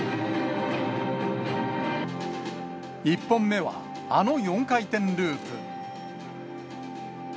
１本目はあの４回転ループ。